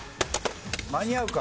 間に合うか？